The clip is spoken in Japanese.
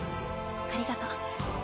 ありがと。